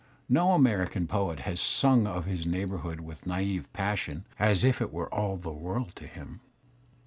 No American poet has simg of his neighbourhood ^ with naive passion, as if it were all the world to him.